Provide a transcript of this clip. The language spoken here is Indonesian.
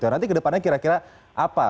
nanti ke depannya kira kira apa